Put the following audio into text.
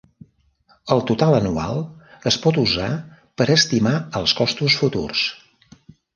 El total anual es pot usar per estimar els costos futurs.